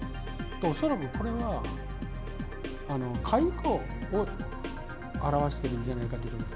恐らくこれはカイコを表しているんじゃないかと思います。